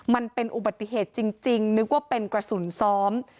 มันเป็นอุบัติเหตุจริงนึกว่าเป็นกระสุนซ้อม